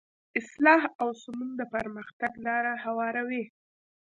اصلاح او سمون د پرمختګ لاره هواروي.